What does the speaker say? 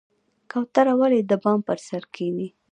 کوتره ولې د بام پر سر کیني؟